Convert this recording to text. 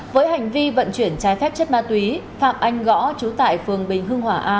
với hành vi vận chuyển trái phép chất ma túy phạm anh gõ chú tại phường bình hưng hòa a